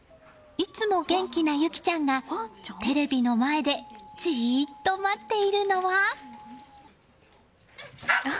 いつも元気なゆきちゃんがテレビの前でじーっと待っているのは。